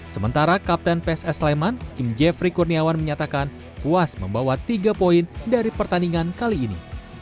sementara kapten pss sleman kim jeffrey kurniawan menyatakan puas membawa tiga poin dari pertandingan kali ini